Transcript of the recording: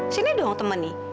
sini dong temen nih